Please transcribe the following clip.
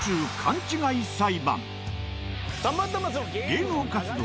⁉芸能活動